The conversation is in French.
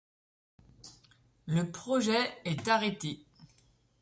Le projet est arrêté.